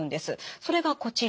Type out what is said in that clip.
それがこちら。